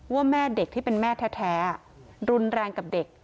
ว่าแม่เด็กที่เป็นแม่แท้รุนแรงกับเด็ก